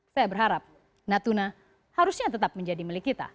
saya berharap natuna harusnya tetap menjadi milik kita